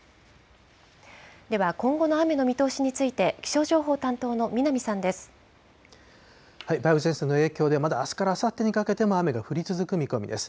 では今後の雨の見通しについて、梅雨前線の影響で、まだあすからあさってにかけても雨が降り続く見込みです。